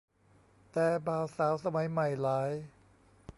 แต่บ่าวสาวสมัยใหม่หลาย